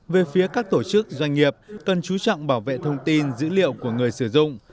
về phía các tổ chức doanh nghiệp cần chú trọng bảo vệ thông tin dữ liệu của người sử dụng